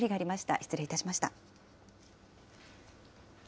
失礼いたしました。